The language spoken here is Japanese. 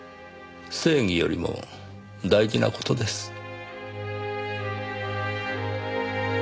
正義よりも大事な事です。